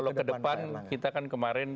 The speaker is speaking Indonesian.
kalau ke depan kita kan kemarin